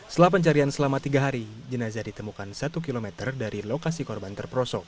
setelah pencarian selama tiga hari jenazah ditemukan satu km dari lokasi korban terperosok